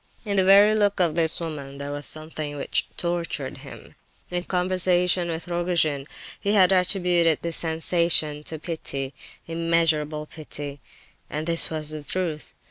In the very look of this woman there was something which tortured him. In conversation with Rogojin he had attributed this sensation to pity—immeasurable pity, and this was the truth.